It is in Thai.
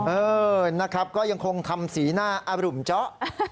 เออนะครับก็ยังคงทำสีหน้าอรุมเจาะ